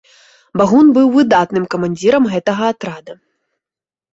Багун быў выбарным камандзірам гэтага атрада.